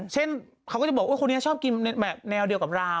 เช่นเขาก็จะบอกว่าคนนี้ชอบกินแนวเดียวกับเรา